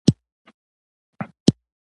مخ بنده کړه.